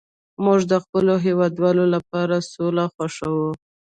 موږ د خپلو هیوادوالو لپاره سوله خوښوو